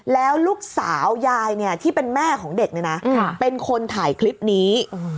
แล้วลูกสาวยายที่เป็นแม่ของเด็กเนี่ยนะเป็นคนถ่ายคลิปนี้